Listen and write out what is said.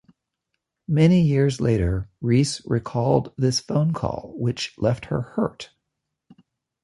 Many years later, Reis recalled this phone call, which left her hurt.